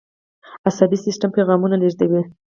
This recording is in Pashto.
عصبي سیستم پیغامونه لیږدوي